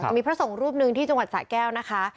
มีพระสงฆ์รูปหนึ่งที่จังหวัดสะแก้วนะคะ